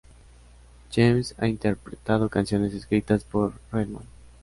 James han interpretado canciones escritas por Redman.